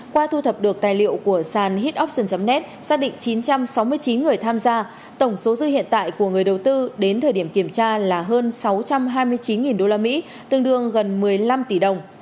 qua thu thập được tài liệu của sàn het option net xác định chín trăm sáu mươi chín người tham gia tổng số dư hiện tại của người đầu tư đến thời điểm kiểm tra là hơn sáu trăm hai mươi chín usd tương đương gần một mươi năm tỷ đồng